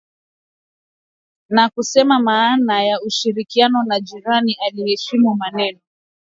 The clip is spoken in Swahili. Na kusema maana ya ushirikiano na jirani aiyeheshimu maneno